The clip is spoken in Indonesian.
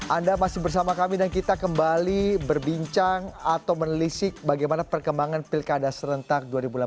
anda masih bersama kami dan kita kembali berbincang atau menelisik bagaimana perkembangan pilkada serentak dua ribu delapan belas